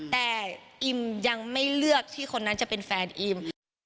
แต่อิมยังไม่เลือกที่คนนั้นจะเป็นแฟนอิม